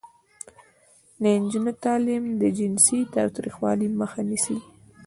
د نجونو تعلیم د جنسي تاوتریخوالي مخه نیسي.